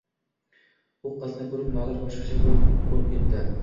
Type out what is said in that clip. U qizni ko‘rib Nodir boshqacha bo‘lib ketdi.